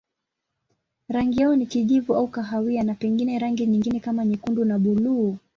Rangi yao ni kijivu au kahawia na pengine rangi nyingine kama nyekundu na buluu.